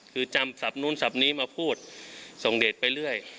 คือจำศัพท์นู้นศัพท์นี้มาพูดส่งเดทไปเรื่อย